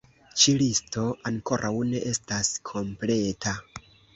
Ĉi-listo ankoraŭ ne estas kompleta.